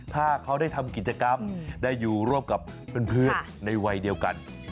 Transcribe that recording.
ถ้าเขาได้ทำกิจกรรมได้อยู่ร่วมกับเพื่อนในวัยเดียวกัน